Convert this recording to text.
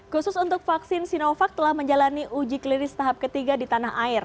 khusus untuk vaksin sinovac telah menjalani uji klinis tahap ketiga di tanah air